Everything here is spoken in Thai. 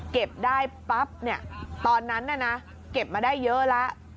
เก็บได้ปั๊บเนี่ยตอนนั้นเก็บมาได้เยอะแล้ว